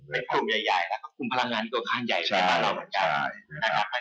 เป็นกลุ่มใหญ่แล้วก็กลุ่มพลังงานเกี่ยวกับข้างใหญ่ในประเภทเราเหมือนกัน